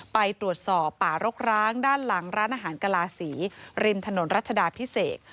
ไปตรวจสอบป่ารกร้างด้านหลังร้านอาหารกลาศรีริมถนนรัชดาพิเศษ